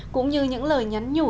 cũng như những lời nhắn nhủ